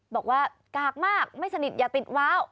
บอกว่ากากมากไม่สนิทอย่าติดว้าว